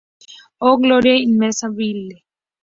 Oh gloria inmarcesible!